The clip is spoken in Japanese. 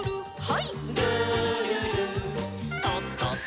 はい。